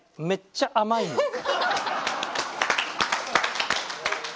「めっちゃ甘いの」。